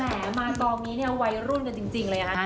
แหมมาตอนนี้เนี่ยวัยรุ่นกันจริงเลยค่ะ